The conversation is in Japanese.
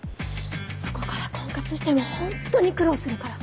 そこから婚活してもホントに苦労するから。